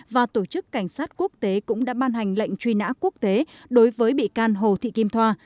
và tổ chức cảnh sát quốc tế cũng đã ban hành lệnh truy nã quốc tế đối với bị can hồ thị kim thoa